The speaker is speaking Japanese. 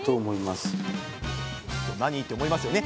何？って思いますよね。